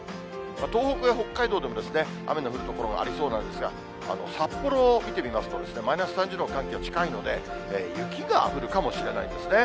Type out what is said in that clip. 東北や北海道でも雨の降る所がありそうなんですが、札幌を見てみますと、マイナス３０度の寒気が近いので、雪が降るかもしれないんですね。